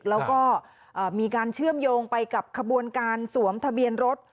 แล้วก็มีการเชื่อมโยงไปกับขบวนการสวมทะเบียนรถ